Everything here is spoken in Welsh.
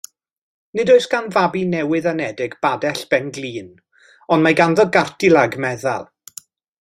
Nid oes gan fabi newydd anedig badell pen-glin, ond mae ganddo gartilag meddal.